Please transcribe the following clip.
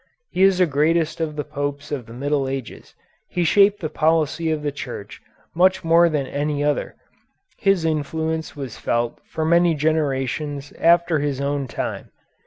He is the greatest of the Popes of the Middle Ages; he shaped the policy of the Church more than any other; his influence was felt for many generations after his own time.